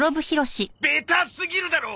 ベタすぎるだろ！